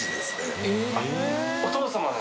お父様の？